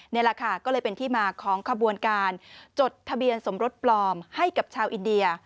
นี่แหละค่ะก็เลยเป็นที่มาของขบวนการจดทะเบียนสมรสปลอมให้กับชาวอินเดีย